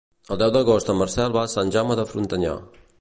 El deu d'agost en Marcel va a Sant Jaume de Frontanyà.